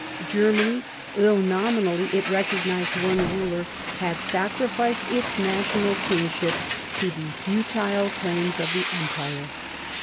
Germany, though nominally it recognised one ruler, had sacrificed its national kingship to the futile claims of the Empire.